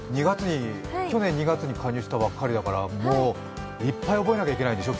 去年２月に加入したばっかりだからいっぱい覚えなきゃいけないでしょ？